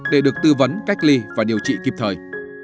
để được tư vấn cách ly và điều trị kịp thời